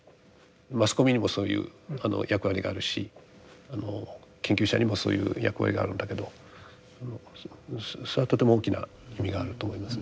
マスコミにもそういう役割があるし研究者にもそういう役割があるんだけどそれはとても大きな意味があると思いますね。